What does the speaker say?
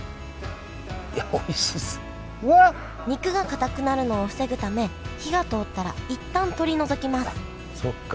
肉がかたくなるのを防ぐため火が通ったら一旦取り除きますそっか。